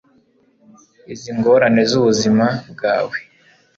izi ngorane z'ubuzima bwawe